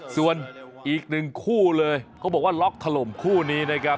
ส่วนอีกหนึ่งคู่เลยเขาบอกว่าล็อกถล่มคู่นี้นะครับ